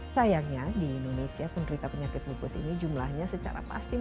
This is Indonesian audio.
sayangnya di indonesia penderita penyakit lupus ini jumlahnya secara pasti